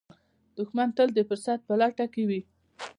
دښمن تل د فرصت په لټه کې وي